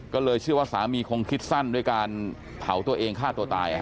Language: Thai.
ก็เลยเชื่อว่าสามีคงคิดสั้นด้วยการเผาตัวเองฆ่าตัวตาย